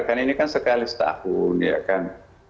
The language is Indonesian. kan ini kan sekali setahun ya kan